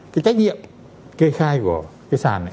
cái trách nhiệm kê khai của cái sàn này